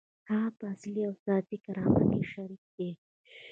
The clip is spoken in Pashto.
هغه په اصلي او ذاتي کرامت کې شریک دی.